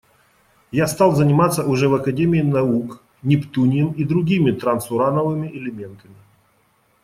Я стал заниматься уже в Академии наук нептунием и другими трансурановыми элементами.